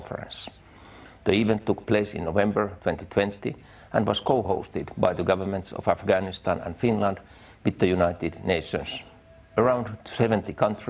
peradaban itu berlaku di november dua ribu dua puluh dan dikohostkan oleh pemerintah afganistan dan finlandia dengan negara negara berat